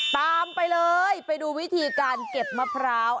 ตามไปเลยไปดูวิธีการเก็บมะพร้าว